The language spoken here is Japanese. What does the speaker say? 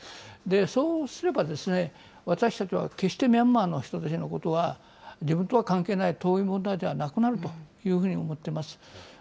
そうすれば、私たちは決してミャンマーの人たちのことは、自分たちとは関係ない遠い問題ではなくなるというふうに思っています。